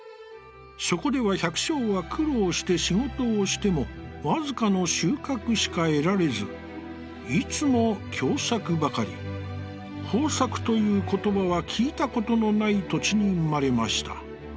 そこでは、百姓は苦労して仕事をしても、わずかの収穫しか得られず、いつも凶作ばかり、豊作という言葉は聞いたことのない土地に生まれました。